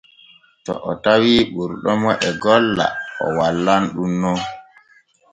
To o tawii ɓurɗomo e golla o wallan ɗun non.